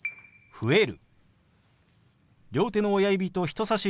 「増える」。